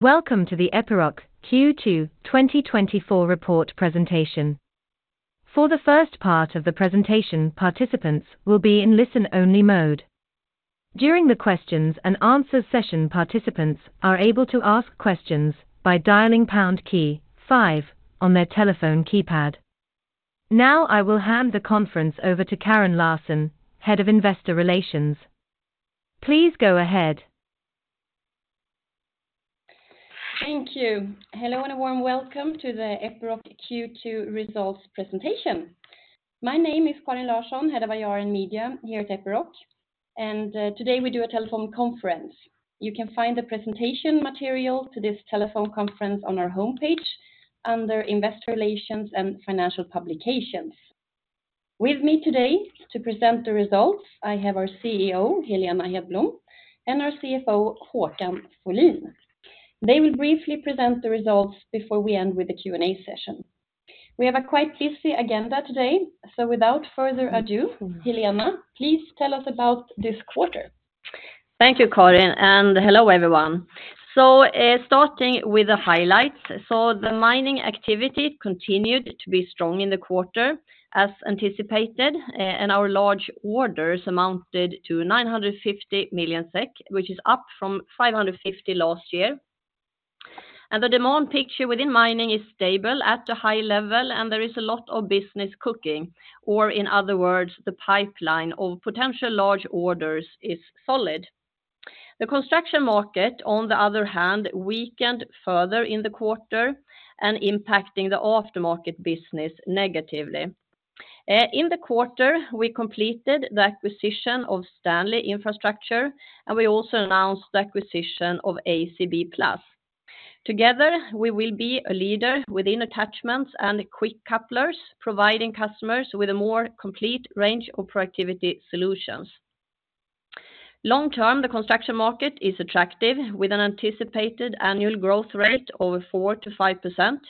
Welcome to the Epiroc Q2 2024 report presentation. For the first part of the presentation, participants will be in listen-only mode. During the questions and answers session, participants are able to ask questions by dialing pound key five on their telephone keypad. Now, I will hand the conference over to Karin Larsson, Head of Investor Relations. Please go ahead. Thank you. Hello, and a warm welcome to the Epiroc Q2 results presentation. My name is Karin Larsson, head of IR and Media here at Epiroc, and today we do a telephone conference. You can find the presentation material to this telephone conference on our homepage under Investor Relations and Financial Publications. With me today to present the results, I have our CEO, Helena Hedblom, and our CFO, Håkan Folin. They will briefly present the results before we end with the Q&A session. We have a quite busy agenda today, so without further ado, Helena, please tell us about this quarter. Thank you, Karin, and hello, everyone. Starting with the highlights. The mining activity continued to be strong in the quarter as anticipated, and our large orders amounted to 950 million SEK, which is up from 550 million last year. The demand picture within mining is stable at a high level, and there is a lot of business cooking, or in other words, the pipeline of potential large orders is solid. The construction market, on the other hand, weakened further in the quarter and impacting the aftermarket business negatively. In the quarter, we completed the acquisition of Stanley Infrastructure, and we also announced the acquisition of ACB+. Together, we will be a leader within attachments and quick couplers, providing customers with a more complete range of productivity solutions. Long-term, the construction market is attractive, with an anticipated annual growth rate over 4%-5%,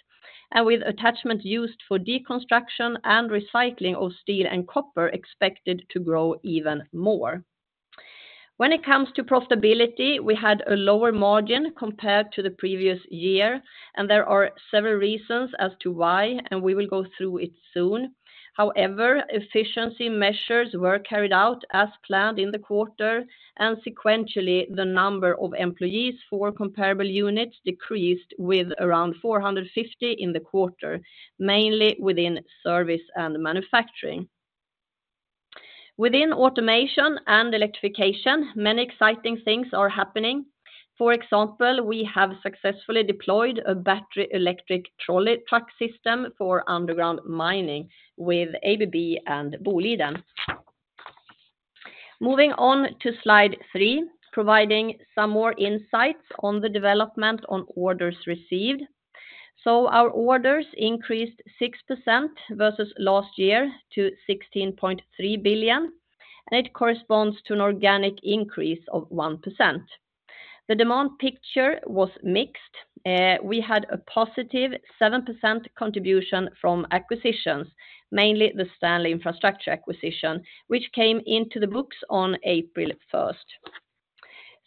and with attachments used for deconstruction and recycling of steel and copper expected to grow even more. When it comes to profitability, we had a lower margin compared to the previous year, and there are several reasons as to why, and we will go through it soon. However, efficiency measures were carried out as planned in the quarter, and sequentially, the number of employees for comparable units decreased with around 450 in the quarter, mainly within service and manufacturing. Within automation and electrification, many exciting things are happening. For example, we have successfully deployed a battery electric trolley truck system for underground mining with ABB and Boliden. Moving on to slide three, providing some more insights on the development on orders received. So our orders increased 6% versus last year to 16.3 billion, and it corresponds to an organic increase of 1%. The demand picture was mixed. We had a positive 7% contribution from acquisitions, mainly the Stanley Infrastructure acquisition, which came into the books on April 1.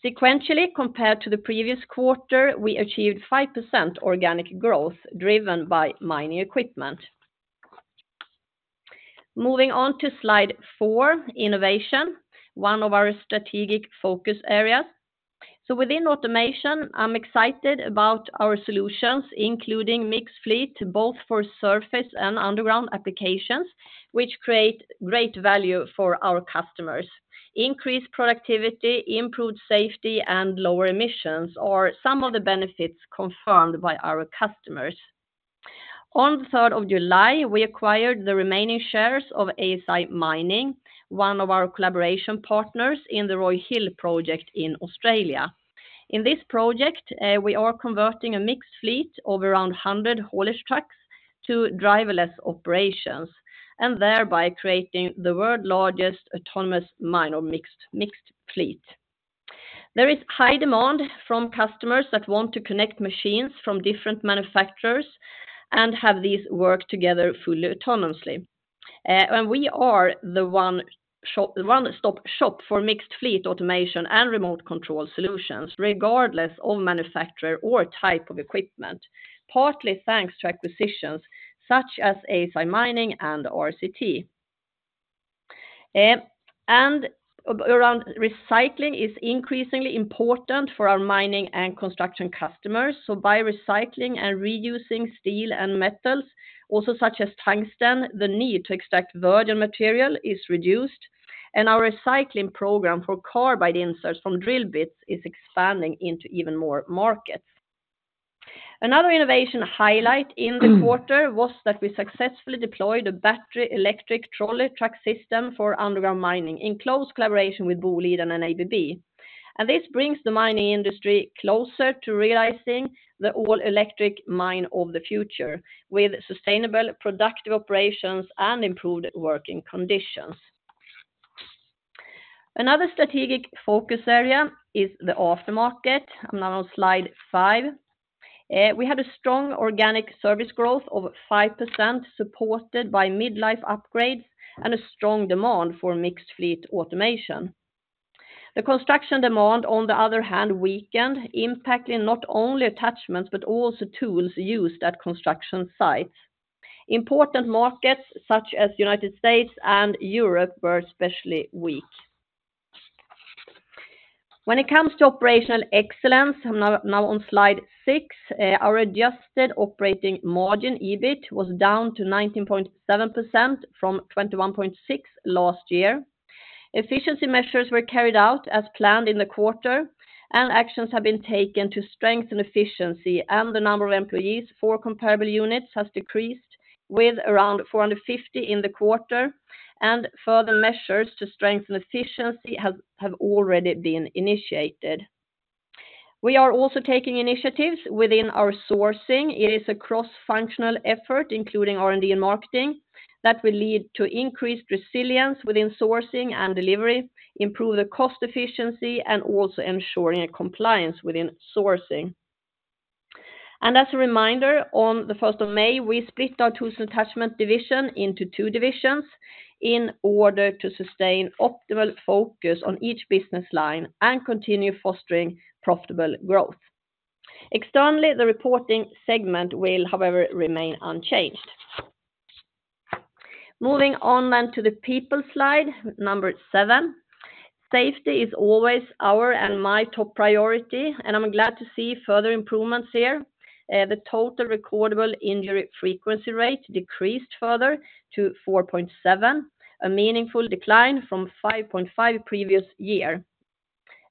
Sequentially, compared to the previous quarter, we achieved 5% organic growth, driven by mining equipment. Moving on to slide 4, innovation, one of our strategic focus areas. So within automation, I'm excited about our solutions, including mixed fleet, both for surface and underground applications, which create great value for our customers. Increased productivity, improved safety, and lower emissions are some of the benefits confirmed by our customers. On July 3, we acquired the remaining shares of ASI Mining, one of our collaboration partners in the Roy Hill project in Australia. In this project, we are converting a mixed fleet of around 100 haulage trucks to driverless operations, and thereby creating the world's largest autonomous mine or mixed, mixed fleet. There is high demand from customers that want to connect machines from different manufacturers and have these work together fully autonomously. And we are the one-stop shop for mixed fleet automation and remote control solutions, regardless of manufacturer or type of equipment, partly thanks to acquisitions such as ASI Mining and RCT. And our recycling is increasingly important for our mining and construction customers. So by recycling and reusing steel and metals, also such as tungsten, the need to extract virgin material is reduced, and our recycling program for carbide inserts from drill bits is expanding into even more markets. Another innovation highlight in the quarter was that we successfully deployed a battery electric trolley truck system for underground mining in close collaboration with Boliden and ABB. This brings the mining industry closer to realizing the all-electric mine of the future, with sustainable, productive operations and improved working conditions. Another strategic focus area is the aftermarket. I'm now on slide five. We had a strong organic service growth of 5%, supported by Midlife upgrades and a strong demand for mixed fleet automation. The construction demand, on the other hand, weakened, impacting not only attachments, but also tools used at construction sites. Important markets, such as United States and Europe, were especially weak. When it comes to operational excellence, I'm now on slide six, our adjusted operating margin, EBIT, was down to 19.7% from 21.6% last year. Efficiency measures were carried out as planned in the quarter, and actions have been taken to strengthen efficiency, and the number of employees for comparable units has decreased with around 450 in the quarter, and further measures to strengthen efficiency have already been initiated. We are also taking initiatives within our sourcing. It is a cross-functional effort, including R&D and marketing, that will lead to increased resilience within sourcing and delivery, improve the cost efficiency, and also ensuring compliance within sourcing. As a reminder, on the first of May, we split our Tools & Attachments division into 2 divisions in order to sustain optimal focus on each business line and continue fostering profitable growth. Externally, the reporting segment will, however, remain unchanged. Moving on then to the people slide, number 7. Safety is always our and my top priority, and I'm glad to see further improvements here. The total recordable injury frequency rate decreased further to 4.7, a meaningful decline from 5.5 previous year.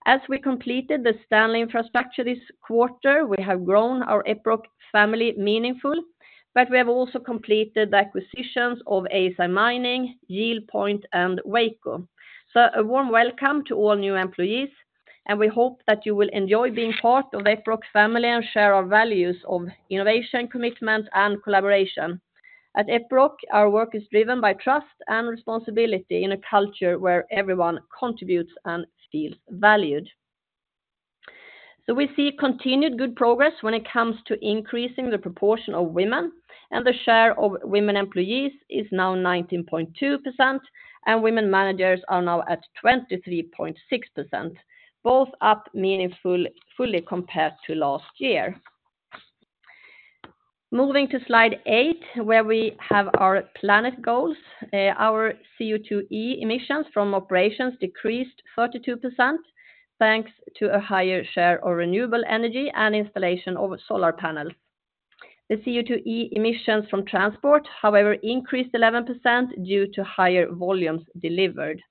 As we completed the Stanley Infrastructure this quarter, we have grown our Epiroc family meaningful, but we have also completed the acquisitions of ASI Mining, YieldPoint, and Weco Propel. So a warm welcome to all new employees, and we hope that you will enjoy being part of Epiroc family and share our values of innovation, commitment, and collaboration. At Epiroc, our work is driven by trust and responsibility in a culture where everyone contributes and feels valued. So we see continued good progress when it comes to increasing the proportion of women, and the share of women employees is now 19.2%, and women managers are now at 23.6%, both up meaningfully compared to last year. Moving to slide 8, where we have our planet goals. Our CO2e emissions from operations decreased 32%, thanks to a higher share of renewable energy and installation of solar panels. The CO2e emissions from transport, however, increased 11% due to higher volumes delivered.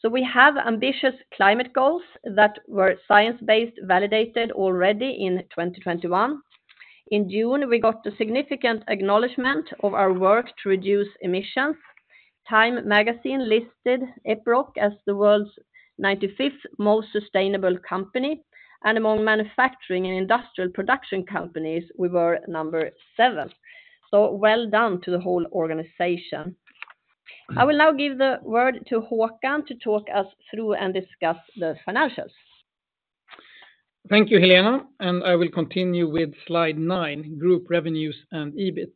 So we have ambitious climate goals that were science-based, validated already in 2021. In June, we got a significant acknowledgment of our work to reduce emissions. TIME Magazine listed Epiroc as the world's 95th most sustainable company, and among manufacturing and industrial production companies, we were number 7. So well done to the whole organization. I will now give the word to Håkan to talk us through and discuss the financials. Thank you, Helena, and I will continue with slide 9, Group Revenues and EBIT.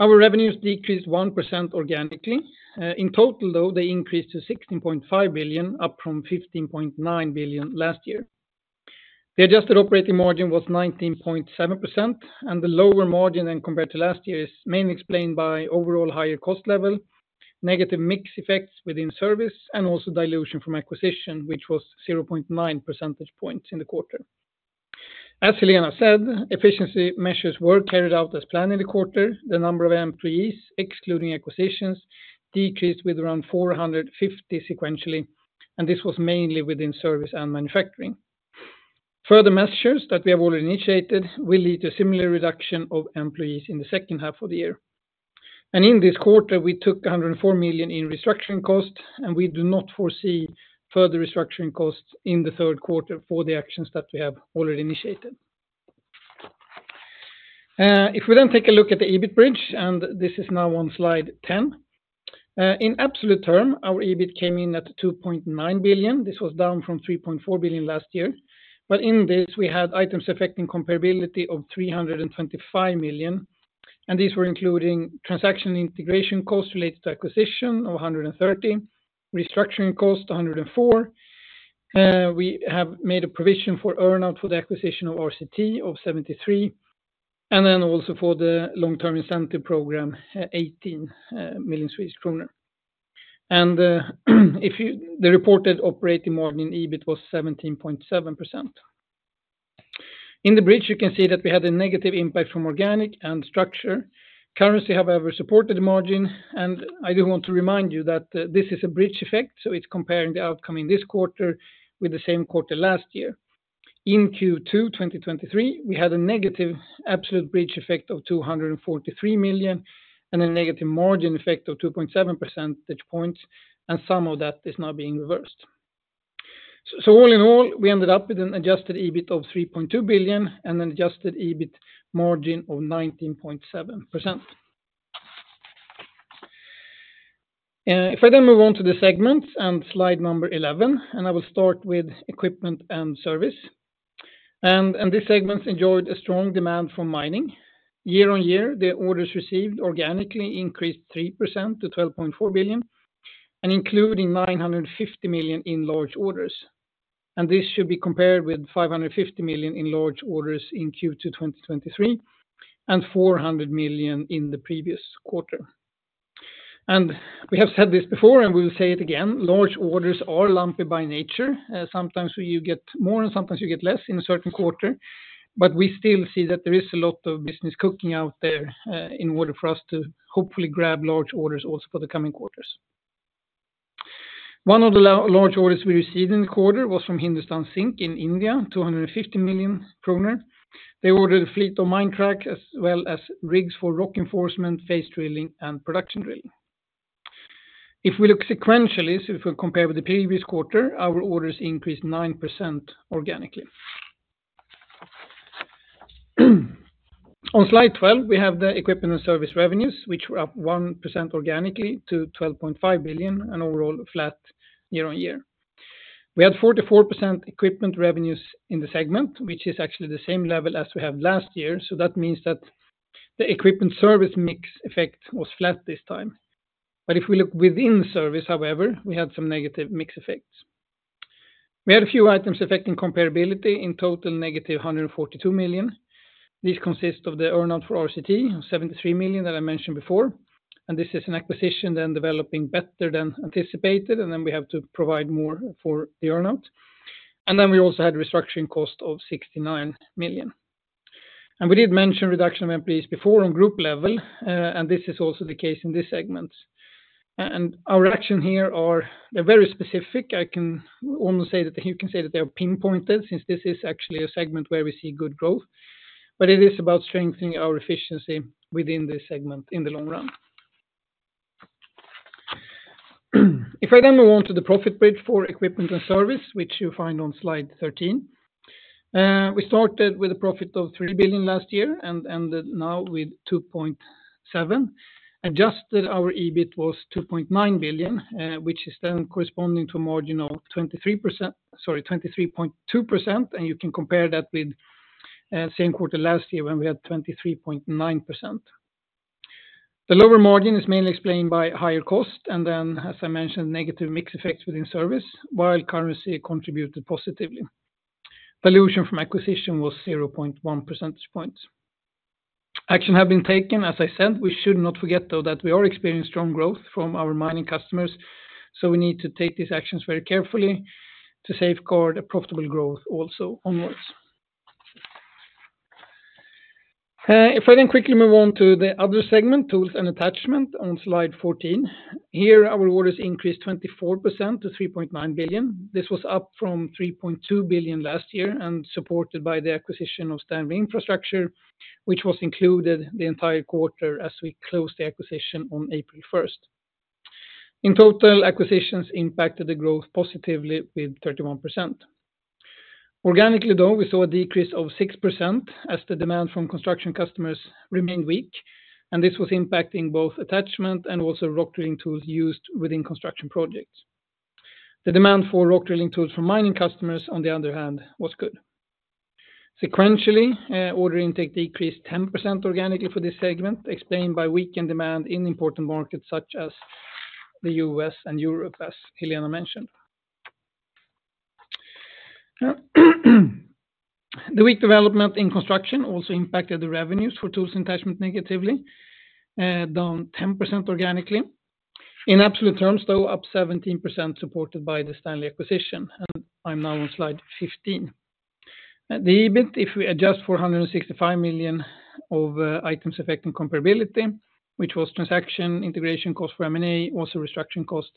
Our revenues decreased 1% organically. In total, though, they increased to 16.5 billion, up from 15.9 billion last year. The adjusted operating margin was 19.7%, and the lower margin than compared to last year is mainly explained by overall higher cost level, negative mix effects within service, and also dilution from acquisition, which was 0.9 percentage points in the quarter. As Helena said, efficiency measures were carried out as planned in the quarter. The number of employees, excluding acquisitions, decreased with around 450 sequentially, and this was mainly within service and manufacturing. Further measures that we have already initiated will lead to a similar reduction of employees in the second half of the year. In this quarter, we took 104 million in restructuring costs, and we do not foresee further restructuring costs in the third quarter for the actions that we have already initiated. If we then take a look at the EBIT bridge, and this is now on slide 10. In absolute term, our EBIT came in at 2.9 billion. This was down from 3.4 billion last year, but in this, we had items affecting comparability of 325 million, and these were including transaction integration costs related to acquisition of 130, restructuring costs to 104. We have made a provision for earnout for the acquisition of RCT of 73, and then also for the long-term incentive program, SEK 18 million. The reported operating margin in EBIT was 17.7%. In the bridge, you can see that we had a negative impact from organic and structural. Currency, however, supported the margin, and I do want to remind you that this is a bridge effect, so it's comparing the outcome in this quarter with the same quarter last year. In Q2 2023, we had a negative absolute bridge effect of 243 million, and a negative margin effect of 2.7 percentage points, and some of that is now being reversed. So all in all, we ended up with an adjusted EBIT of 3.2 billion and an adjusted EBIT margin of 19.7%. If I then move on to the segments on slide 11, and I will start with Equipment & Service. This segment enjoyed a strong demand for mining. Year-on-year, the orders received organically increased 3% to 12.4 billion, including 950 million in large orders. This should be compared with 550 million in large orders in Q2 2023, and 400 million in the previous quarter. We have said this before, and we will say it again: large orders are lumpy by nature. Sometimes you get more and sometimes you get less in a certain quarter, but we still see that there is a lot of business cooking out there, in order for us to hopefully grab large orders also for the coming quarters. One of the large orders we received in the quarter was from Hindustan Zinc in India, 250 million kronor. They ordered a fleet of Minetruck, as well as rigs for rock reinforcement, face drilling, and production drilling. If we look sequentially, so if we compare with the previous quarter, our orders increased 9% organically. On slide 12, we have the Equipment & Service revenues, which were up 1% organically to 12.5 billion, and overall flat year-on-year. We had 44% equipment revenues in the segment, which is actually the same level as we had last year, so that means that the Equipment service mix effect was flat this time. But if we look within service, however, we had some negative mix effects. We had a few items affecting comparability in total, negative 142 million. This consists of the earn out for RCT, 73 million that I mentioned before, and this is an acquisition then developing better than anticipated, and then we have to provide more for the earn out. Then we also had restructuring cost of 69 million. And we did mention reduction of employees before on group level, and this is also the case in this segment. And our action here are, they're very specific. I can almost say that, you can say that they are pinpointed, since this is actually a segment where we see good growth. But it is about strengthening our efficiency within this segment in the long run. If I then move on to the profit bridge for Equipment & Service, which you'll find on slide 13. We started with a profit of 3 billion last year and ended now with 2.7 billion. Adjusted our EBIT was 2.9 billion, which is then corresponding to a margin of 23%... Sorry, 23.2%, and you can compare that with, same quarter last year when we had 23.9%. The lower margin is mainly explained by higher cost, and then, as I mentioned, negative mix effects within service, while currency contributed positively. Dilution from acquisition was 0.1 percentage points. Action have been taken, as I said. We should not forget, though, that we are experiencing strong growth from our mining customers, so we need to take these actions very carefully to safeguard a profitable growth also onwards. If I then quickly move on to the other segment, Tools & Attachments, on slide 14. Here, our orders increased 24% to 3.9 billion. This was up from 3.2 billion last year and supported by the acquisition of Stanley Infrastructure, which was included the entire quarter as we closed the acquisition on April first. In total, acquisitions impacted the growth positively with 31%. Organically, though, we saw a decrease of 6% as the demand from construction customers remained weak, and this was impacting both attachment and also rock drilling tools used within construction projects. The demand for rock drilling tools from mining customers, on the other hand, was good. Sequentially, order intake decreased 10% organically for this segment, explained by weakened demand in important markets such as the U.S. and Europe, as Helena mentioned. The weak development in construction also impacted the revenues for Tools & Attachments negatively, down 10% organically. In absolute terms, though, up 17%, supported by the Stanley acquisition. I'm now on slide 15. The EBIT, if we adjust for 165 million of items affecting comparability, which was transaction integration cost for M&A, also restructuring cost,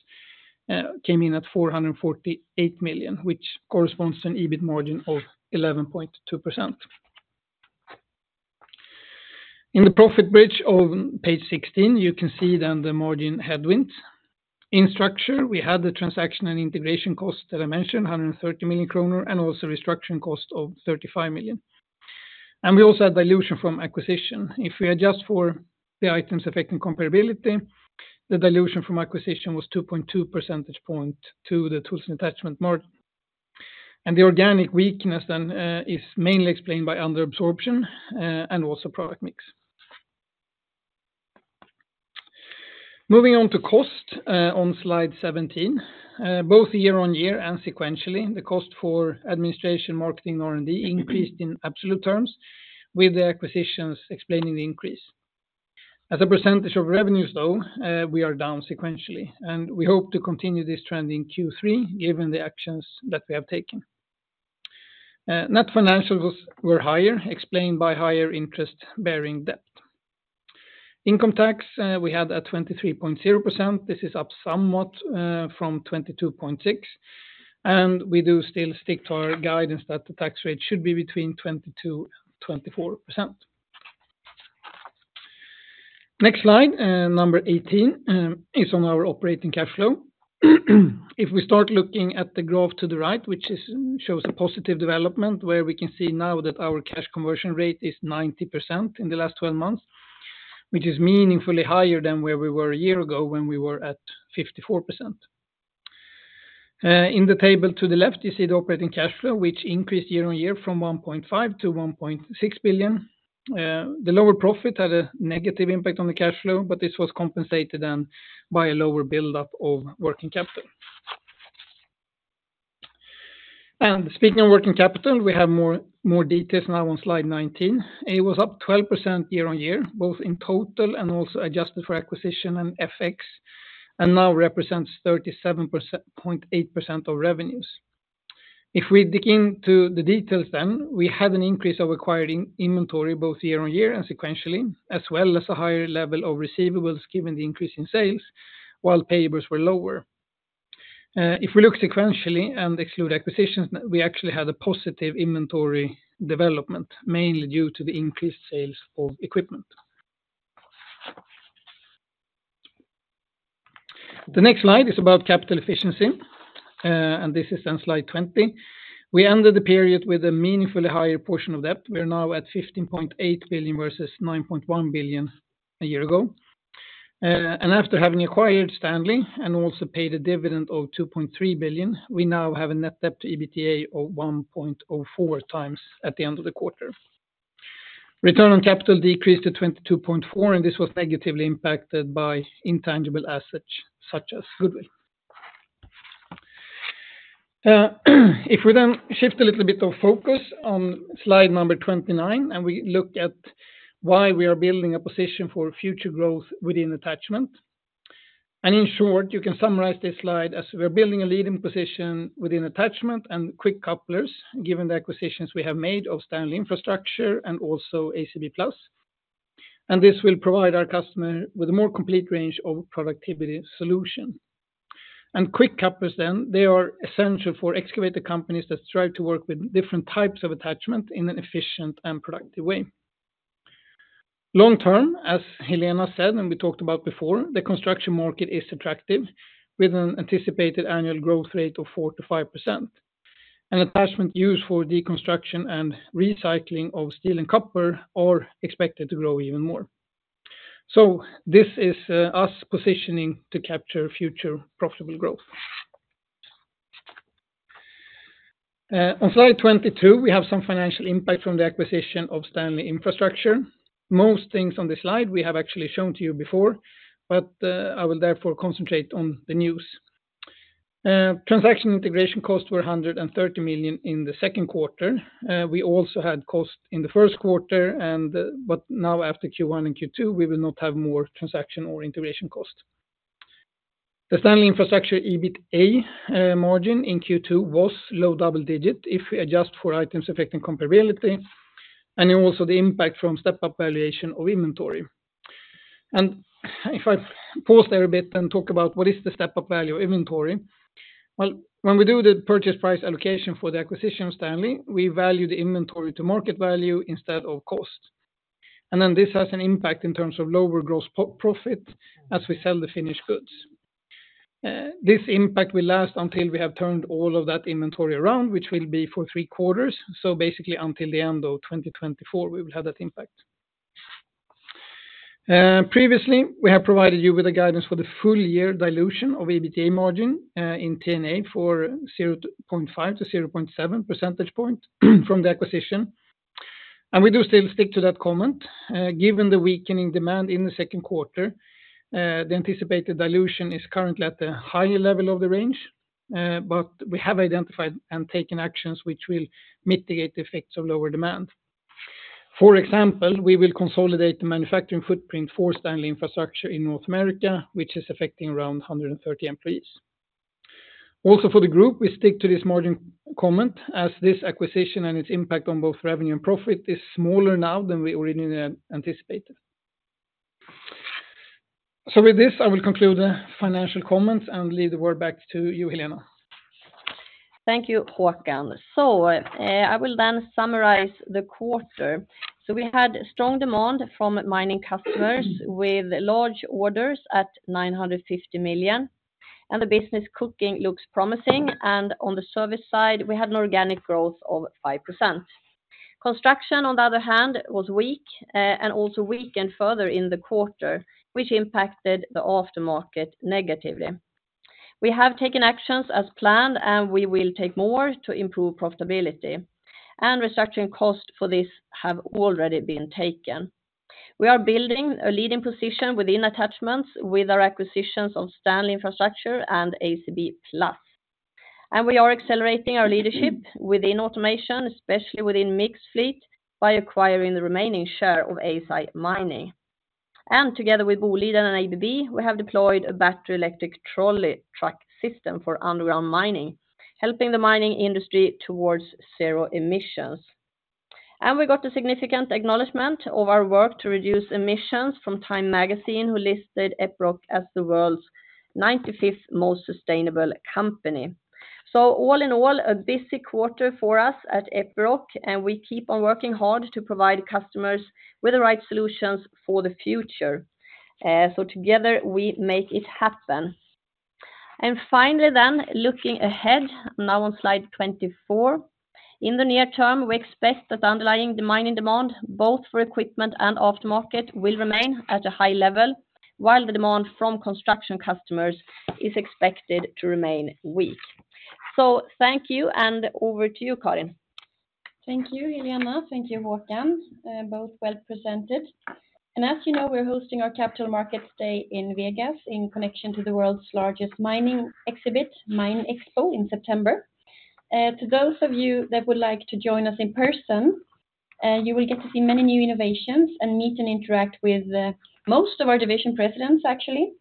came in at 448 million, which corresponds to an EBIT margin of 11.2%. In the profit bridge on page 16, you can see the margin headwinds. In structure, we had the transaction and integration costs that I mentioned, 130 million kroner, and also restructuring cost of 35 million. We also had dilution from acquisition. If we adjust for the items affecting comparability, the dilution from acquisition was 2.2 percentage points to the Tools & Attachments marg- The organic weakness then is mainly explained by under absorption and also product mix. Moving on to cost on slide 17. Both year-over-year and sequentially, the cost for administration, marketing, R&D increased in absolute terms, with the acquisitions explaining the increase. As a percentage of revenues, though, we are down sequentially, and we hope to continue this trend in Q3, given the actions that we have taken. Net financials was, were higher, explained by higher interest-bearing debt. Income tax, we had at 23.0%. This is up somewhat, from 22.6, and we do still stick to our guidance that the tax rate should be between 22% and 24%. Next slide, number 18, is on our operating cash flow. If we start looking at the growth to the right, which shows a positive development, where we can see now that our cash conversion rate is 90% in the last 12 months, which is meaningfully higher than where we were a year ago when we were at 54%. In the table to the left, you see the operating cash flow, which increased year-on-year from 1.5 billion to 1.6 billion. The lower profit had a negative impact on the cash flow, but this was compensated then by a lower buildup of working capital. And speaking of working capital, we have more details now on slide 19. It was up 12% year-on-year, both in total and also adjusted for acquisition and FX, and now represents 37.8% of revenues. If we dig into the details then, we had an increase of acquiring inventory both year-on-year and sequentially, as well as a higher level of receivables given the increase in sales, while payables were lower. If we look sequentially and exclude acquisitions, we actually had a positive inventory development, mainly due to the increased sales of equipment. The next slide is about capital efficiency, and this is on slide 20. We ended the period with a meaningfully higher portion of debt. We are now at 15.8 billion versus 9.1 billion a year ago. And after having acquired Stanley and also paid a dividend of 2.3 billion, we now have a net debt to EBITDA of 1.4 times at the end of the quarter. Return on capital decreased to 22.4, and this was negatively impacted by intangible assets, such as goodwill. If we then shift a little bit of focus on slide number 29, and we look at why we are building a position for future growth within attachment. In short, you can summarize this slide as we are building a leading position within attachment and quick couplers, given the acquisitions we have made of Stanley Infrastructure and also ACB+. This will provide our customer with a more complete range of productivity solution. Quick couplers then, they are essential for excavator companies that strive to work with different types of attachment in an efficient and productive way. Long term, as Helena said, and we talked about before, the construction market is attractive, with an anticipated annual growth rate of 4%-5%. An attachment used for deconstruction and recycling of steel and copper are expected to grow even more. So this is us positioning to capture future profitable growth. On slide 22, we have some financial impact from the acquisition of Stanley Infrastructure. Most things on this slide we have actually shown to you before, but I will therefore concentrate on the news. Transaction integration costs were 130 million in the second quarter. We also had costs in the first quarter, and, but now after Q1 and Q2, we will not have more transaction or integration cost. The Stanley Infrastructure EBITA margin in Q2 was low double digit if we adjust for items affecting comparability and then also the impact from step-up valuation of inventory. And if I pause there a bit and talk about what is the step-up value of inventory? Well, when we do the purchase price allocation for the acquisition of Stanley, we value the inventory to market value instead of cost. And then this has an impact in terms of lower gross profit as we sell the finished goods. This impact will last until we have turned all of that inventory around, which will be for three quarters. So basically, until the end of 2024, we will have that impact. Previously, we have provided you with a guidance for the full year dilution of EBITDA margin in T&A for 0.5-0.7 percentage point, from the acquisition. And we do still stick to that comment. Given the weakening demand in the second quarter, the anticipated dilution is currently at the higher level of the range, but we have identified and taken actions which will mitigate the effects of lower demand. For example, we will consolidate the manufacturing footprint for Stanley Infrastructure in North America, which is affecting around 130 employees. Also, for the group, we stick to this margin comment as this acquisition and its impact on both revenue and profit is smaller now than we originally anticipated. So with this, I will conclude the financial comments and leave the word back to you, Helena. Thank you, Håkan. I will then summarize the quarter. We had strong demand from mining customers with large orders at 950 million, and the bookings look promising, and on the service side, we had an organic growth of 5%. Construction, on the other hand, was weak, and also weakened further in the quarter, which impacted the aftermarket negatively. We have taken actions as planned, and we will take more to improve profitability, and restructuring costs for this have already been taken. We are building a leading position within attachments with our acquisitions of Stanley Infrastructure and ACB+. We are accelerating our leadership within automation, especially within mixed fleet, by acquiring the remaining share of ASI Mining. And together with Boliden and ABB, we have deployed a battery electric trolley truck system for underground mining, helping the mining industry towards zero emissions. And we got a significant acknowledgment of our work to reduce emissions from TIME Magazine, who listed Epiroc as the world's ninety-fifth most sustainable company... So all in all, a busy quarter for us at Epiroc, and we keep on working hard to provide customers with the right solutions for the future. So together we make it happen. And finally, then, looking ahead, now on slide 24. In the near term, we expect that underlying the mining demand, both for equipment and aftermarket, will remain at a high level, while the demand from construction customers is expected to remain weak. So thank you, and over to you, Karin. Thank you, Helena. Thank you, Håkan. Both well presented. And as you know, we're hosting our capital markets day in Vegas in connection to the world's largest mining exhibit, MINExpo, in September. To those of you that would like to join us in person, you will get to see many new innovations and meet and interact with most of our division presidents, actually.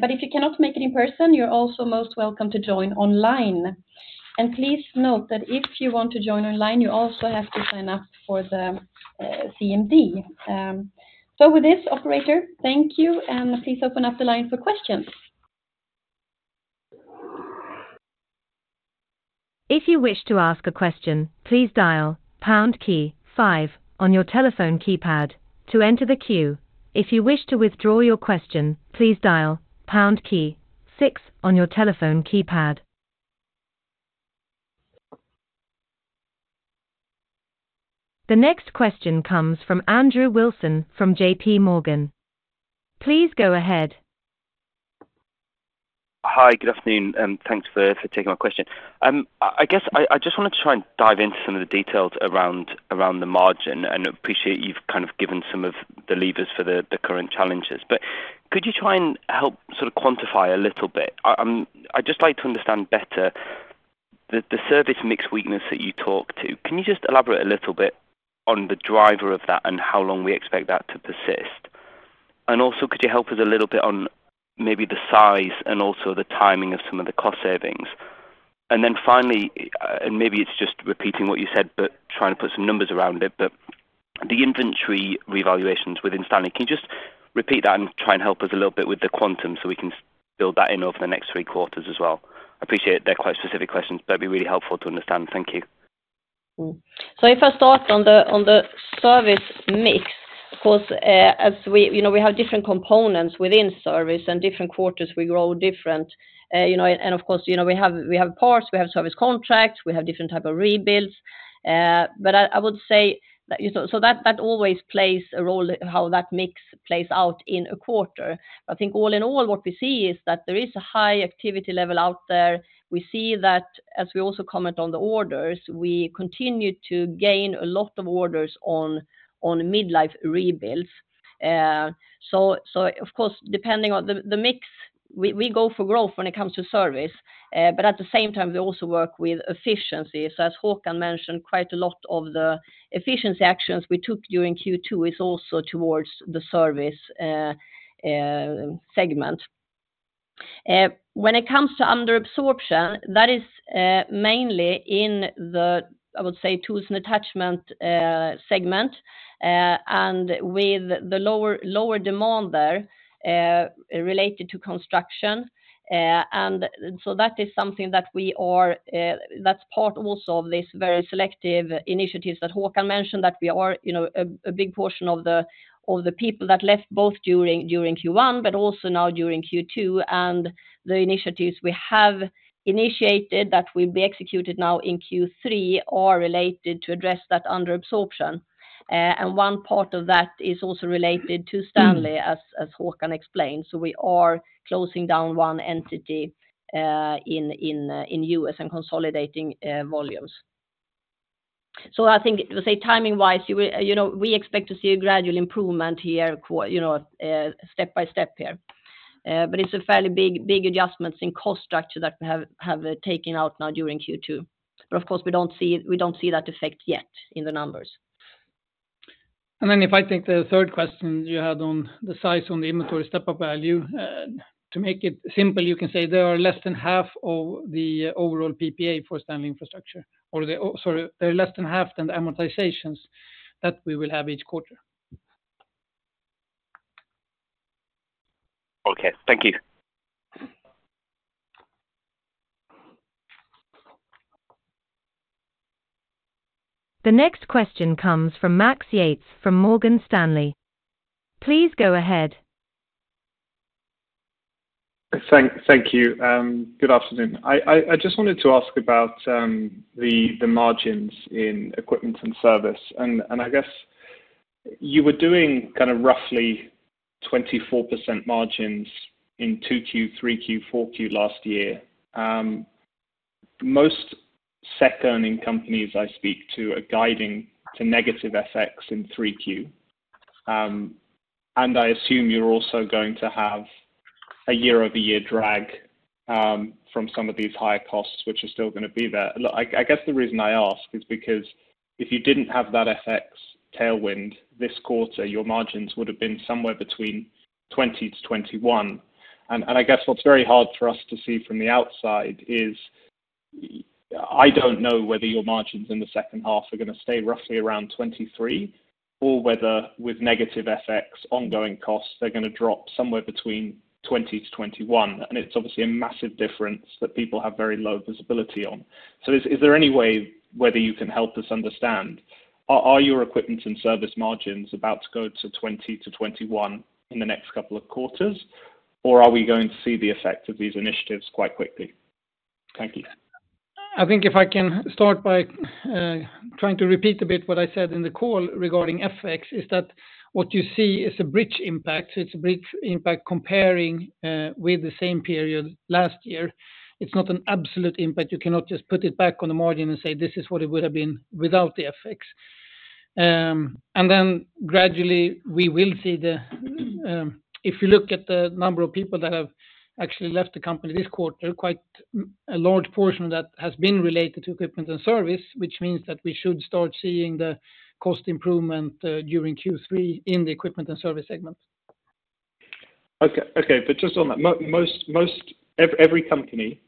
But if you cannot make it in person, you're also most welcome to join online. And please note that if you want to join online, you also have to sign up for the CMD. So with this, operator, thank you, and please open up the line for questions. If you wish to ask a question, please dial pound key five on your telephone keypad to enter the queue. If you wish to withdraw your question, please dial pound key six on your telephone keypad. The next question comes from Andrew Wilson from J.P. Morgan. Please go ahead. Hi, good afternoon, and thanks for taking my question. I guess I just wanted to try and dive into some of the details around the margin, and I appreciate you've kind of given some of the levers for the current challenges. But could you try and help sort of quantify a little bit? I'd just like to understand better the service mix weakness that you talk to. Can you just elaborate a little bit on the driver of that and how long we expect that to persist? And also, could you help us a little bit on maybe the size and also the timing of some of the cost savings? And then finally, and maybe it's just repeating what you said, but trying to put some numbers around it, but the inventory revaluations within Stanley, can you just repeat that and try and help us a little bit with the quantum so we can build that in over the next three quarters as well? I appreciate they're quite specific questions, but it'd be really helpful to understand. Thank you. So if I start on the service mix, of course, as we, you know, we have different components within service and different quarters, we grow different. You know, and of course, you know, we have parts, we have service contracts, we have different type of rebuilds. But I would say that, you know, that always plays a role in how that mix plays out in a quarter. I think all in all, what we see is that there is a high activity level out there. We see that as we also comment on the orders, we continue to gain a lot of orders on mid-life rebuilds. So of course, depending on the mix, we go for growth when it comes to service, but at the same time, we also work with efficiency. So as Håkan mentioned, quite a lot of the efficiency actions we took during Q2 is also towards the service segment. When it comes to under absorption, that is mainly in the, I would say, Tools & Attachments segment, and with the lower, lower demand there related to construction. And so that is something that we are, that's part also of this very selective initiatives that Håkan mentioned, that we are, you know, a big portion of the people that left both during Q1, but also now during Q2, and the initiatives we have initiated that will be executed now in Q3 are related to address that under absorption. And one part of that is also related to Stanley, as Håkan explained. So we are closing down one entity in U.S. and consolidating volumes. So I think, say timing-wise, we, you know, we expect to see a gradual improvement here, you know, step-by-step here. But it's a fairly big adjustments in cost structure that we have taken out now during Q2. But of course, we don't see, we don't see that effect yet in the numbers. Then if I take the third question you had on the size on the inventory step-up value, to make it simple, you can say they are less than half of the overall PPA for Stanley Infrastructure, or they also - they're less than half than the amortizations that we will have each quarter. Okay, thank you. The next question comes from Max Yates, from Morgan Stanley. Please go ahead. Thank you. Good afternoon. I just wanted to ask about the margins in Equipment & Service. And I guess you were doing kind of roughly 24% margins in 2Q, 3Q, 4Q last year. Most S&P earnings companies I speak to are guiding to negative FX in 3Q. And I assume you're also going to have a year-over-year drag from some of these higher costs, which are still gonna be there. Look, I guess the reason I ask is because if you didn't have that FX tailwind this quarter, your margins would have been somewhere between 20-21. And I guess what's very hard for us to see from the outside is...... I don't know whether your margins in the second half are gonna stay roughly around 23%, or whether with negative FX ongoing costs, they're gonna drop somewhere between 20%-21%. And it's obviously a massive difference that people have very low visibility on. So is, is there any way whether you can help us understand? Are, are your Equipment & Service margins about to go to 20%-21% in the next couple of quarters, or are we going to see the effect of these initiatives quite quickly? Thank you. I think if I can start by trying to repeat a bit what I said in the call regarding FX, is that what you see is a bridge impact. So it's a bridge impact comparing with the same period last year. It's not an absolute impact. You cannot just put it back on the margin and say: this is what it would have been without the FX. And then gradually, we will see, if you look at the number of people that have actually left the company this quarter, a large portion of that has been related to Equipment & Service, which means that we should start seeing the cost improvement during Q3 in the Equipment & Service segment. Okay, okay, but just on that, most every company,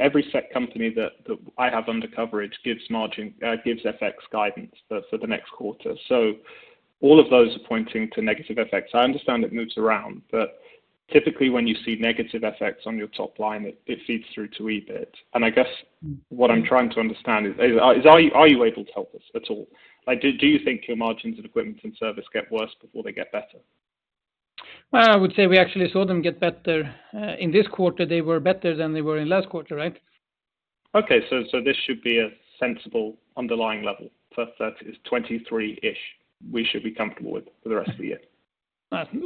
every sector company that I have under coverage gives margin FX guidance for the next quarter. So all of those are pointing to negative effects. I understand it moves around, but typically when you see negative effects on your top line, it feeds through to EBIT. And I guess what I'm trying to understand is, are you able to help us at all? Like, do you think your margins in Equipment & Service get worse before they get better? I would say we actually saw them get better. In this quarter, they were better than they were in last quarter, right? Okay, so this should be a sensible underlying level. First, that is 23-ish, we should be comfortable with for the rest of the year.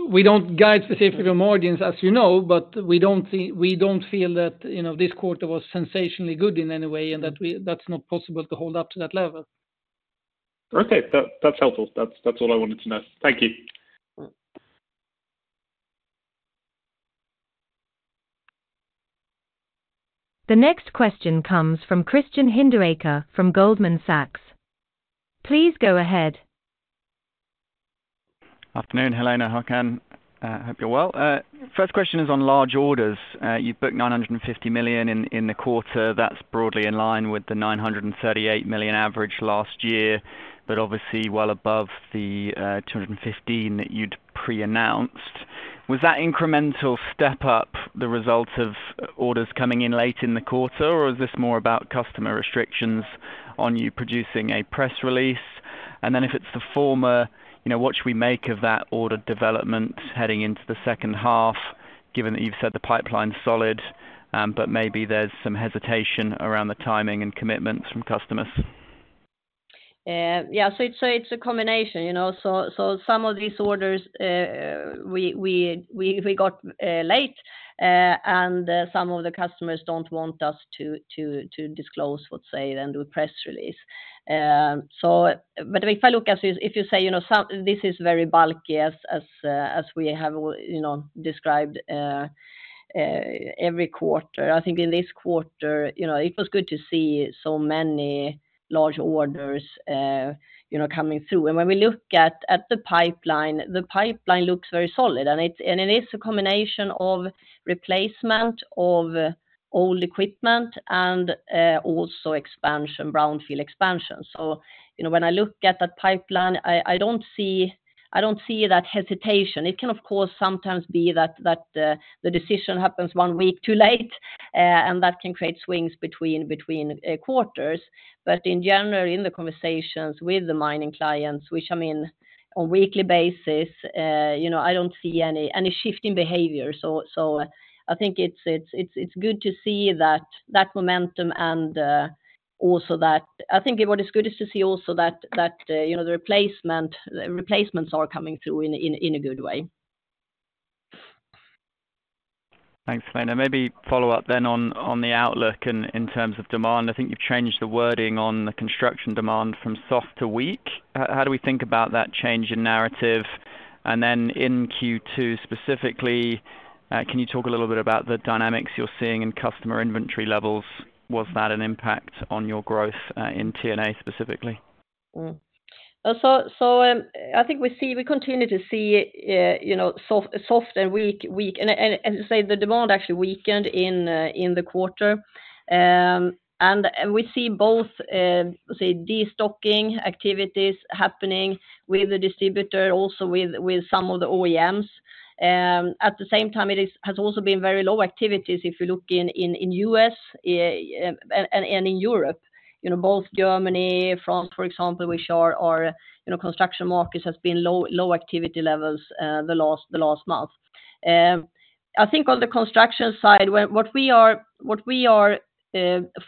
We don't guide specific margins, as you know, but we don't feel, we don't feel that, you know, this quarter was sensationally good in any way, and that we, that's not possible to hold up to that level. Okay, that's helpful. That's all I wanted to know. Thank you. The next question comes from Christian Hinderaker from Goldman Sachs. Please go ahead. Afternoon, Helena, Håkan. Hope you're well. First question is on large orders. You've booked 950 million in the quarter. That's broadly in line with the 938 million average last year, but obviously well above the 215 million that you'd pre-announced. Was that incremental step up the result of orders coming in late in the quarter? Or is this more about customer restrictions on you producing a press release? And then if it's the former, you know, what should we make of that order development heading into the second half, given that you've said the pipeline's solid, but maybe there's some hesitation around the timing and commitments from customers? Yeah, so it's a combination, you know. So some of these orders, we got late, and some of the customers don't want us to disclose, let's say, and do a press release. But if I look at this, if you say, you know, this is very bulky as we have, you know, described every quarter. I think in this quarter, you know, it was good to see so many large orders, you know, coming through. And when we look at the pipeline, the pipeline looks very solid, and it is a combination of replacement of old equipment and also expansion, brownfield expansion. So, you know, when I look at that pipeline, I don't see that hesitation. It can, of course, sometimes be that the decision happens one week too late, and that can create swings between quarters. But in general, in the conversations with the mining clients, which I mean, on weekly basis, you know, I don't see any shifting behavior. So, I think it's good to see that momentum, and also that. I think what is good is to see also that, you know, the replacement - replacements are coming through in a good way. Thanks, Helena. Maybe follow up then on the outlook in terms of demand. I think you've changed the wording on the construction demand from soft to weak. How do we think about that change in narrative? And then in Q2, specifically, can you talk a little bit about the dynamics you're seeing in customer inventory levels? Was that an impact on your growth in T&A, specifically? So, I think we continue to see, you know, soft and weak. And to say the demand actually weakened in the quarter. And we see both, say, destocking activities happening with the distributor, also with some of the OEMs. At the same time, it has also been very low activities if you look in the US, and in Europe. You know, both Germany, France, for example, we saw our, you know, construction markets has been low activity levels, the last month. I think on the construction side, what we are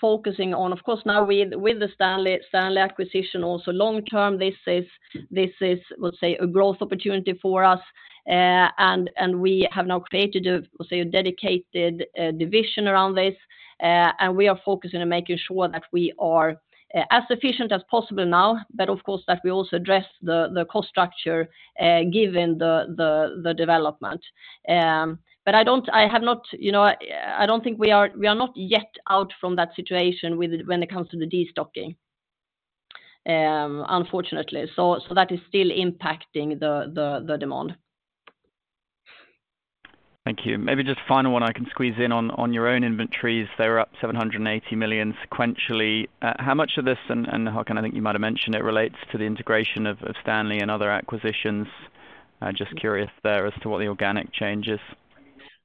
focusing on, of course, now with the Stanley acquisition, also long term, this is, let's say, a growth opportunity for us. And we have now created a dedicated division around this, and we are focusing on making sure that we are as efficient as possible now, but of course, that we also address the cost structure given the development. But I don't—I have not, you know, I don't think we are, we are not yet out from that situation with—when it comes to the destocking, unfortunately. So that is still impacting the demand. ... Thank you. Maybe just final one I can squeeze in on, on your own inventories, they're up 780 million sequentially. How much of this and, and how can I think you might have mentioned it relates to the integration of, of Stanley and other acquisitions? I'm just curious there as to what the organic change is.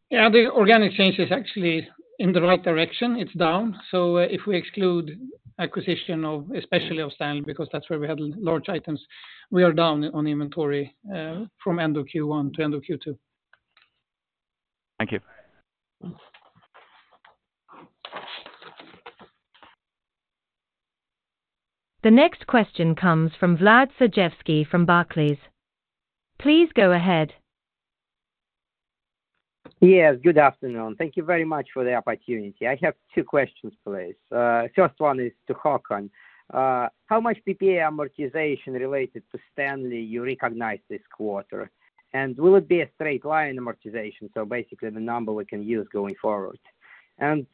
Yeah, the organic change is actually in the right direction. It's down. So, if we exclude acquisition of, especially of Stanley, because that's where we had large items, we are down on inventory, from end of Q1 to end of Q2. Thank you. The next question comes from Vlad Sergievsky from Barclays. Please go ahead. Yes, good afternoon. Thank you very much for the opportunity. I have two questions, please. First one is to Håkan. How much PPA amortization related to Stanley you recognize this quarter? And will it be a straight line amortization, so basically the number we can use going forward? And,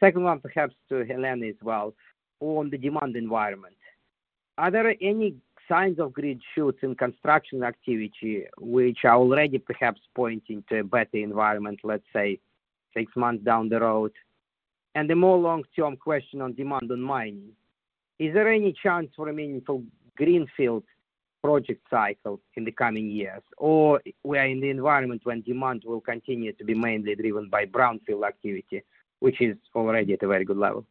second one, perhaps to Helena as well, on the demand environment. Are there any signs of green shoots in construction activity which are already perhaps pointing to a better environment, let's say, six months down the road? And the more long term question on demand on mining: Is there any chance for a meaningful greenfield project cycle in the coming years, or we are in the environment when demand will continue to be mainly driven by brownfield activity, which is already at a very good level?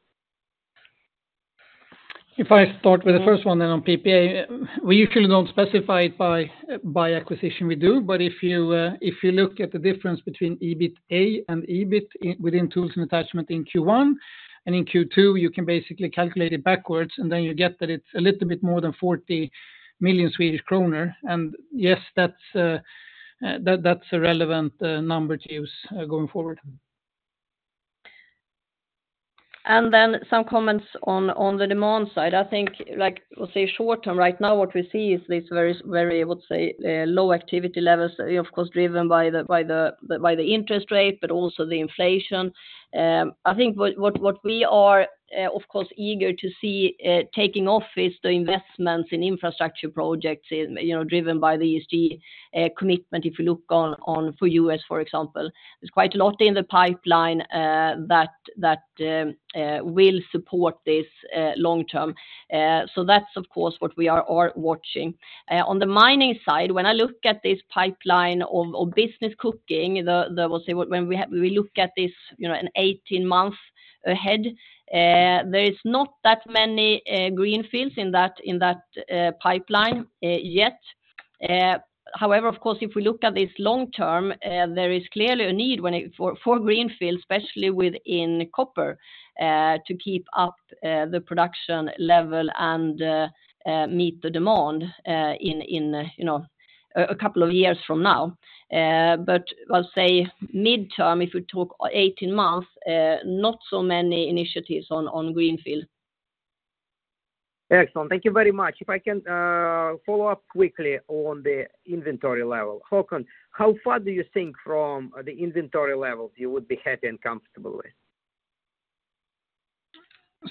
If I start with the first one, then on PPA, we usually don't specify it by acquisition we do. But if you look at the difference between EBITA and EBIT within Tools & Attachments in Q1 and in Q2, you can basically calculate it backwards, and then you get that it's a little bit more than 40 million Swedish kronor. Yes, that's a relevant number to use going forward. Some comments on the demand side. I think, like, we'll say short term, right now, what we see is this very, very, I would say, low activity levels, of course, driven by the interest rate, but also the inflation. I think what we are, of course, eager to see taking off is the investments in infrastructure projects, you know, driven by the ESG commitment, if you look on for U.S., for example. There's quite a lot in the pipeline, that will support this long term. So that's, of course, what we are all watching. On the mining side, when I look at this pipeline of business cooking, we'll say, when we look at this, you know, in 18 months ahead, there is not that many greenfields in that pipeline yet. However, of course, if we look at this long term, there is clearly a need for greenfield, especially within copper, to keep up the production level and meet the demand, you know, in a couple of years from now. But I'll say midterm, if we talk 18 months, not so many initiatives on greenfield. Excellent. Thank you very much. If I can, follow up quickly on the inventory level. Håkan, how far do you think from the inventory levels you would be happy and comfortable with?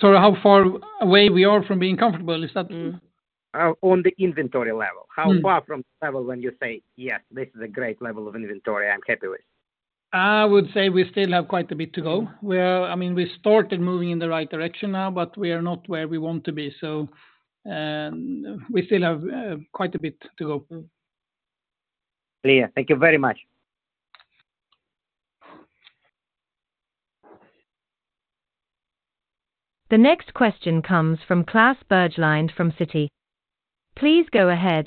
Sorry, how far away we are from being comfortable, is that- On the inventory level. How far from level when you say, "Yes, this is a great level of inventory I'm happy with? I would say we still have quite a bit to go. I mean, we started moving in the right direction now, but we are not where we want to be. We still have quite a bit to go. Clear. Thank you very much. The next question comes from Klas Bergelind from Citi. Please go ahead.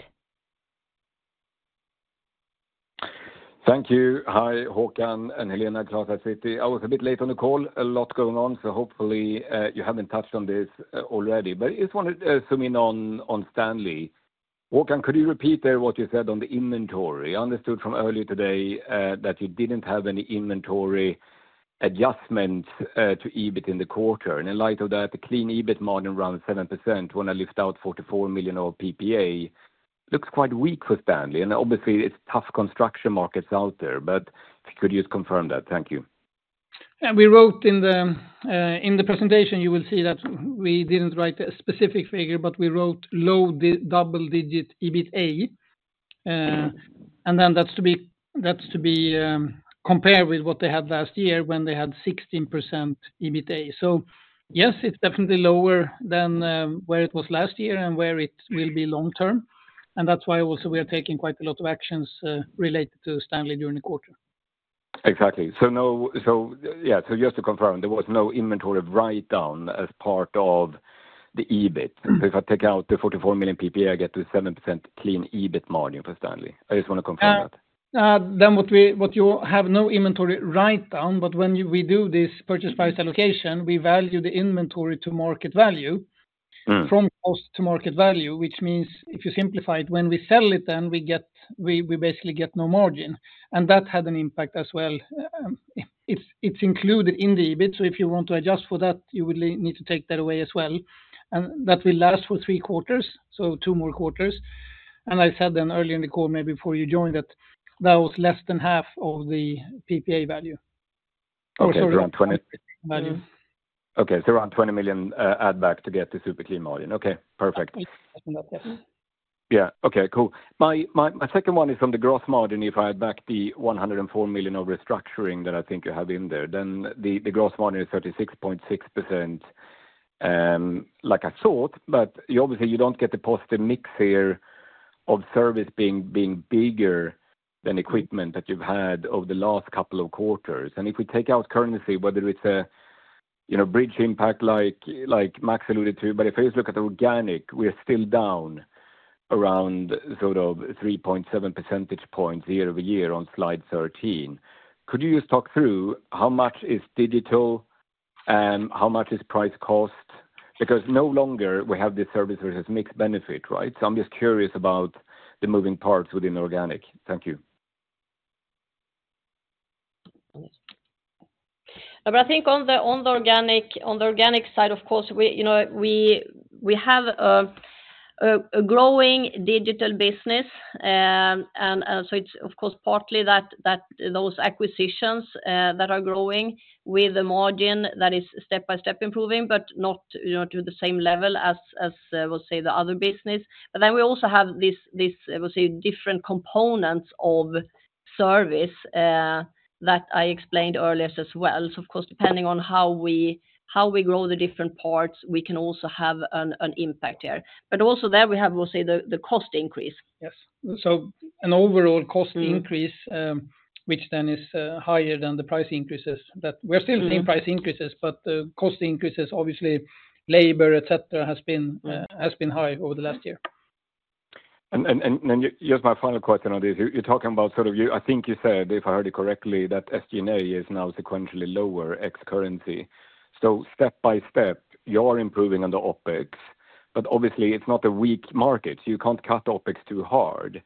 Thank you. Hi, Håkan and Helena, Klas at Citi. I was a bit late on the call, a lot going on, so hopefully, you haven't touched on this, already. But I just wanted to zoom in on, on Stanley. Håkan, could you repeat there what you said on the inventory? I understood from earlier today, that you didn't have any inventory adjustment, to EBIT in the quarter. And in light of that, the clean EBIT margin around 7%, when I lift out 44 million of PPA, looks quite weak for Stanley, and obviously, it's tough construction markets out there, but could you just confirm that? Thank you. Yeah, we wrote in the presentation, you will see that we didn't write a specific figure, but we wrote low double digit EBITA. And then that's to be compared with what they had last year when they had 16% EBITA. So yes, it's definitely lower than where it was last year and where it will be long term, and that's why also we are taking quite a lot of actions related to Stanley during the quarter. Exactly. So, yeah, so just to confirm, there was no inventory write-down as part of the EBIT? If I take out the 44 million PPA, I get to 7% clean EBIT margin for Stanley. I just want to confirm that. Then what you have no inventory write-down, but when we do this purchase price allocation, we value the inventory to market value-... from cost to market value, which means if you simplify it, when we sell it, then we basically get no margin, and that had an impact as well. It's included in the EBIT, so if you want to adjust for that, you would need to take that away as well. And that will last for three quarters, so two more quarters. And I said then early in the call, maybe before you joined, that that was less than half of the PPA value.... Okay, so around 20. Okay, so around 20 million, add back to get the super clean margin. Okay, perfect. Yes. Yeah. Okay, cool. My, my, my second one is on the gross margin. If I back the 104 million of restructuring that I think you have in there, then the gross margin is 36.6%, like I thought. But you obviously, you don't get the positive mix here of service being bigger than equipment that you've had over the last couple of quarters. And if we take out currency, whether it's a you know, bridge impact like Max alluded to, but if I just look at organic, we are still down around sort of 3.7 percentage points year-over-year on slide 13. Could you just talk through how much is digital and how much is price cost? Because no longer we have the service versus mixed benefit, right? So I'm just curious about the moving parts within organic. Thank you. But I think on the organic side, of course, we, you know, we have a growing digital business. And so it's, of course, partly that those acquisitions that are growing with a margin that is step by step improving, but not, you know, to the same level as we'll say, the other business. But then we also have this, I will say, different components of service that I explained earlier as well. So of course, depending on how we grow the different parts, we can also have an impact here. But also there we have, we'll say, the cost increase. Yes. So an overall cost increase, which then is higher than the price increases that we're still seeing price increases, but the cost increases, obviously, labor, et cetera, has been high over the last year. Just my final question on this. You're talking about sort of you—I think you said, if I heard you correctly, that SG&A is now sequentially lower ex-currency. So step by step, you're improving on the OpEx, but obviously, it's not a weak market. You can't cut OpEx too hard.